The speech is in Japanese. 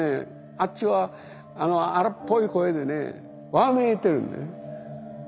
あっちは荒っぽい声でねわめいてるんです。